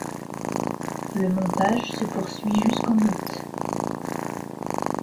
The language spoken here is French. Le montage se poursuit jusqu'en août.